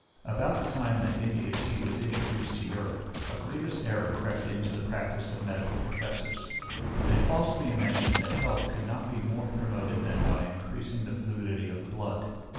About the time that India tea was introduced to Europe, a grievous error crept into the practice of medical professors; they falsely imagined that health could not be more promoted than by increasing the fluidity of the blood.